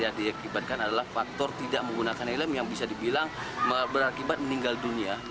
yang diakibatkan adalah faktor tidak menggunakan helm yang bisa dibilang berakibat meninggal dunia